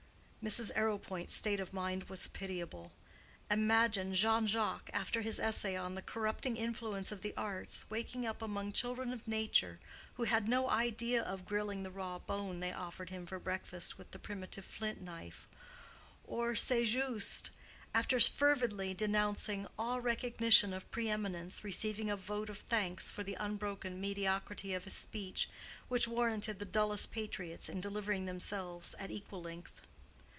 Mrs. Arrowpoint's state of mind was pitiable. Imagine Jean Jacques, after his essay on the corrupting influence of the arts, waking up among children of nature who had no idea of grilling the raw bone they offered him for breakfast with the primitive couvert of a flint knife; or Saint Just, after fervidly denouncing all recognition of pre eminence, receiving a vote of thanks for the unbroken mediocrity of his speech, which warranted the dullest patriots in delivering themselves at equal length.